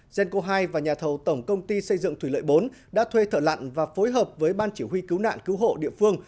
genco hai và nhà thầu tổng công ty xây dựng thủy lợi bốn đã thuê thợ lặn và phối hợp với ban chỉ huy cứu nạn cứu hộ địa phương